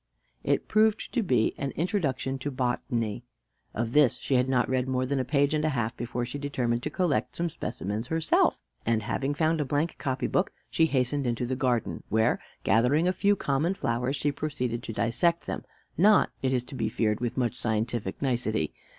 It proved to be "An Introduction to Botany." Of this she had not read more than a page and a half before she determined to collect some specimens herself; and having found a blank copy book she hastened into the garden, where, gathering a few common flowers, she proceeded to dissect them, not, it is to be feared, with much scientific nicety.